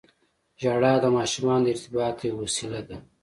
• ژړا د ماشومانو د ارتباط یوه وسیله ده.